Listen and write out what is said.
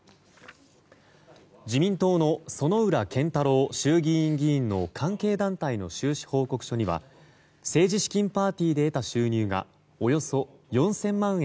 自民党の薗浦健太郎衆議院議員の関係団体の収支報告書には政治資金パーティーで得た収入がおよそ４０００万円